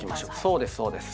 そうですそうです。